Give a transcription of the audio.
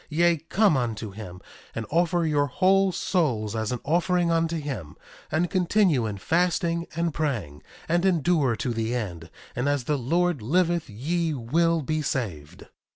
Yea, come unto him, and offer your whole souls as an offering unto him, and continue in fasting and praying, and endure to the end; and as the Lord liveth ye will be saved.